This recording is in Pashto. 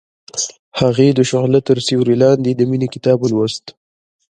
هغې د شعله تر سیوري لاندې د مینې کتاب ولوست.